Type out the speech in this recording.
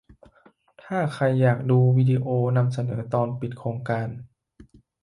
ถ้าใครอยากดูวิดีโอนำเสนอตอนปิดโครงการ